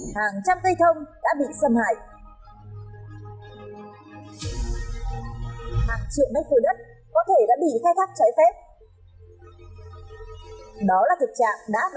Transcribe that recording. hàng nhất ba rừng bị đốt cháy